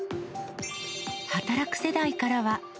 働く世代からは。